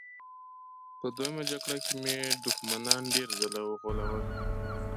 په دویمه جګړه کې مې دښمنان ډېر ځله وغولول